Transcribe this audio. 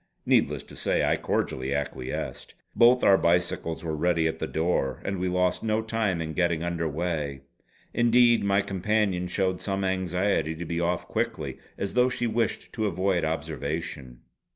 Needless to say I cordially acquiesced. Both our bicycles were ready at the door, and we lost no time in getting under weigh. Indeed my companion showed some anxiety to be off quickly, as though she wished to avoid observation.